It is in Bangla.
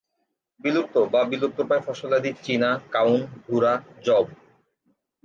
বিলুপ্ত বা বিলুপ্তপ্রায় ফসলাদি চিনা, কাউন, ভুরা, যব।